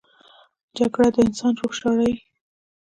جګړه د انسان روح ژاړي